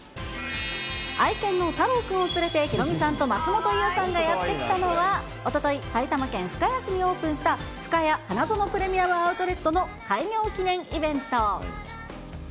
愛犬のタロウくんを連れて、ヒロミさんと松本伊代さんがやって来たのは、おととい、埼玉県深谷市にオープンしたふかや花園プレミアム・アウトレットの開業記念イベント。